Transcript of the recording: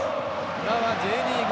浦和Ｊリーグ